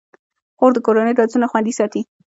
خور د کورنۍ رازونه خوندي ساتي.